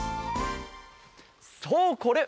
そうこれ！